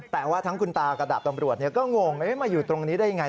แต่ว่าทั้งคุณตากับดาบตำรวจก็งงมาอยู่ตรงนี้ได้ยังไง